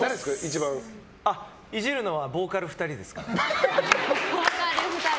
イジるのはボーカル２人です。